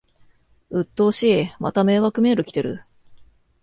うっとうしい、また迷惑メール来てる